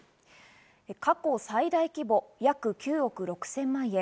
過去最大規模、約９億６０００万円。